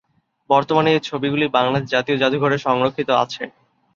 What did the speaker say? বর্তমানে এ ছবিগুলি বাংলাদেশ জাতীয় জাদুঘরে সংরক্ষিত আছে।